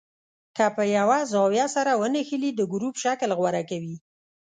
که په یوه زاویه سره ونښلي د ګروپ شکل غوره کوي.